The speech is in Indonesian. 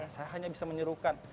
saya hanya bisa menyuruhkan